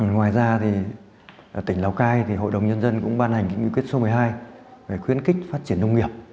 ngoài ra thì tỉnh lào cai hội đồng nhân dân cũng ban hành nghị quyết số một mươi hai về khuyến khích phát triển nông nghiệp